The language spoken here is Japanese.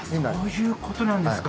そういうことなんですか。